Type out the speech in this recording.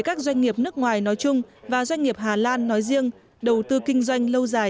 các doanh nghiệp nước ngoài nói chung và doanh nghiệp hà lan nói riêng đầu tư kinh doanh lâu dài